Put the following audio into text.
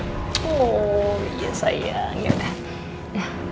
oh iya sayang ya udah